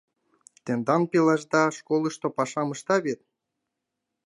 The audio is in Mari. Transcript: — Тендан пелашда школышто пашам ышта вет?